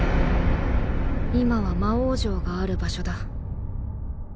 今は魔王城がある場所だ。